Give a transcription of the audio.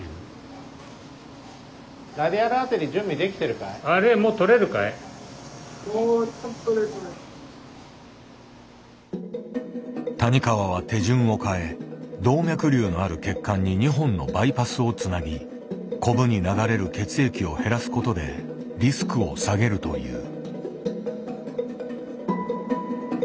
だからちょっとね谷川は手順を変え動脈瘤のある血管に２本のバイパスをつなぎコブに流れる血液を減らすことでリスクを下げるという。